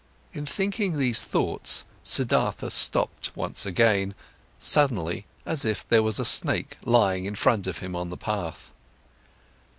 In thinking these thoughts, Siddhartha stopped once again, suddenly, as if there was a snake lying in front of him on the path.